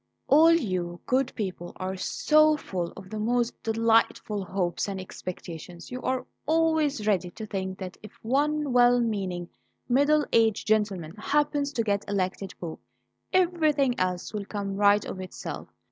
"All you good people are so full of the most delightful hopes and expectations; you are always ready to think that if one well meaning middle aged gentleman happens to get elected Pope, everything else will come right of itself.